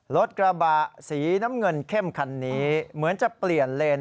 รถกระบะสีน้ำเงินเข้มคันนี้เหมือนจะเปลี่ยนเลน